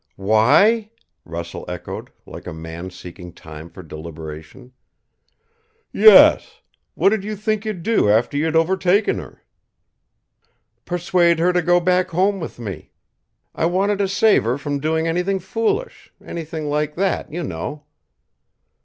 "Why?" Russell echoed, like a man seeking time for deliberation. "Yes. What did you think you'd do after you'd overtaken her?" "Persuade her to go back home with me. I wanted to save her from doing anything foolish anything like that, you know."